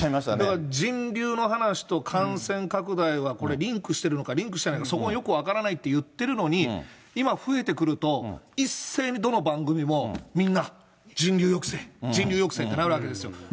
だから人流の話と感染拡大は、これリンクしてるのか、リンクしてないのか、そこはよく分からないって言ってるのに、今、増えてくると、一斉にどの番組もみんな人流抑制、人流抑制ってなるわけですよ。